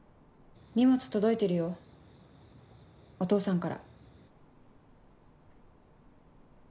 荷物届いてるよお父さんから。